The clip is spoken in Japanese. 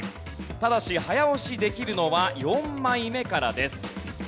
ただし早押しできるのは４枚目からです。